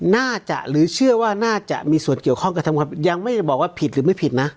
น่าจะหรือเชื่อว่าน่าจะมีส่วนเกี่ยวข้องกระทำความผิดยังไม่ได้บอกว่าผิดหรือไม่ผิดนะ